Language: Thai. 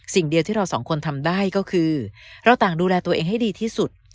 สิ่งเดียวที่เราสองคนทำได้ก็คือเราต่างดูแลตัวเองให้ดีที่สุด